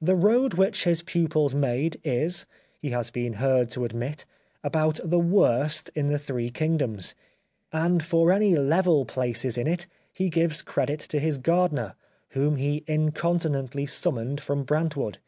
The road which his pupils made is, he has been heard to admit, about the worst in the three kingdoms, and for any level places in it he gives the credit to his gardener, whom he incontinently summoned from Brantwood.